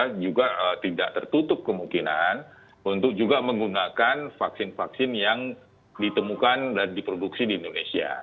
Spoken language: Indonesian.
dan juga tidak tertutup kemungkinan untuk juga menggunakan vaksin vaksin yang ditemukan dan diproduksi di indonesia